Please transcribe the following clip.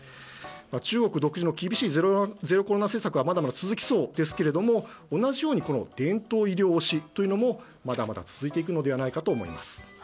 中国独自の厳しいゼロコロナ政策はまだまだ続きそうですけども同じように伝統医療推しというのもまだまだ続いていくのではないかと思います。